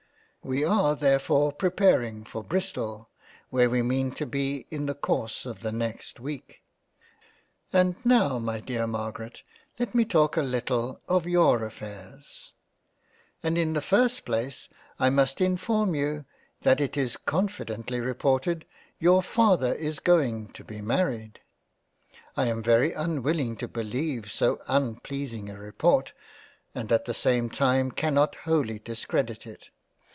We are therefore preparing for Bristol, where we mean to be in the course of the next week. And now my dear Margaret let me talk a little of your affairs ; and in the first place I must inform you that it is confidently reported, your Father is going to be married ; I am very unwilling to beleive so unpleasing a report, and at the same time cannot wholly discredit it.